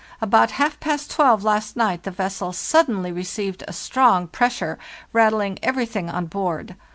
About half past twelve last night the vessel suddenly received a strong pressure, rattling everything on board.